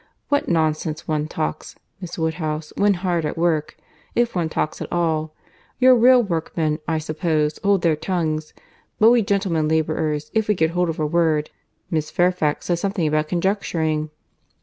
What nonsense one talks, Miss Woodhouse, when hard at work, if one talks at all;—your real workmen, I suppose, hold their tongues; but we gentlemen labourers if we get hold of a word—Miss Fairfax said something about conjecturing.